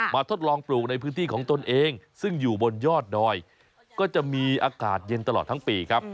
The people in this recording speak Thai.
ทดลองปลูกในพื้นที่ของตนเองซึ่งอยู่บนยอดดอยก็จะมีอากาศเย็นตลอดทั้งปีครับ